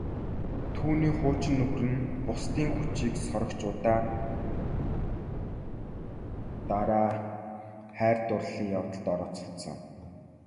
Түүний хуучин нөхөр нь бусдын хүчийг сорогч удаа дараа хайр дурлалын явдалд орооцолдсон.